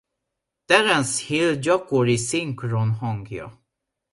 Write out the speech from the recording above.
Terence Hill gyakori szinkronhangja.